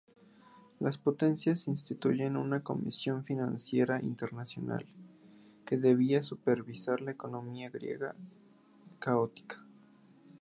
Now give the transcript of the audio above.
Las potencias instituyeron una comisión financiera internacional, que debía supervisar la economía griega, caótica.